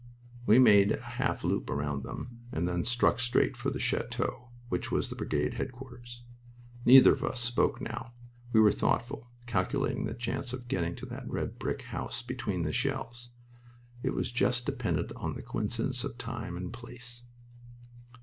We made a half loop around them and then struck straight for the chateau which was the brigade headquarters. Neither of us spoke now. We were thoughtful, calculating the chance of getting to that red brick house between the shells. It was just dependent on the coincidence of time and place.